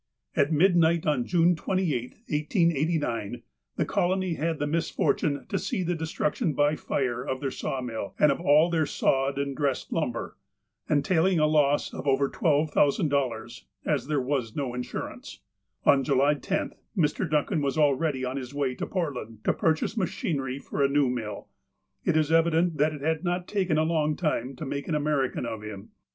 At midnight on June 28, 1889, the colony had the mis fortune to see the destruction by fire of their sawmill, and of all their sawed and dressed lumber, entailing a loss of over $12,000, as there was no insurance. On July 10th, Mr. Duncan was already on his way to Portland to purchase machinery for a new mill. It is evident that it had not taken a long time to make an American of him.